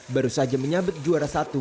baru saja menyabet juara satu